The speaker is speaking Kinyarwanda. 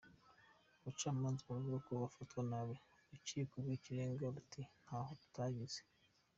Abacamanza baravuga ko bafatwa nabi, Urukiko rw’Ikirenga ruti ntako tutagize